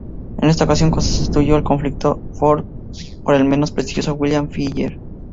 En esta ocasión sustituyó al conflictivo Ford por el no menos prestigioso William Wyler.